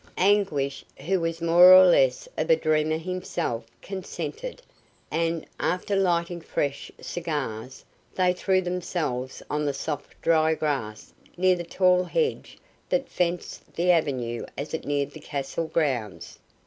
Anguish, who was more or less of a dreamer himself, consented, and, after lighting fresh cigars, they threw themselves on the soft, dry grass near the tall hedge that fenced the avenue as it neared the castle grounds.